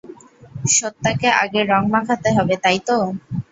সত্যাকে আগে রং মাখাতে হবে, তাইতো?